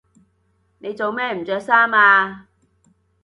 你做咩唔着衫呀？